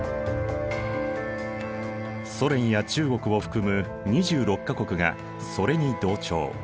ソ連や中国を含む２６か国がそれに同調。